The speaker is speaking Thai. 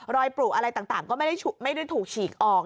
ปลูกอะไรต่างก็ไม่ได้ถูกฉีกออก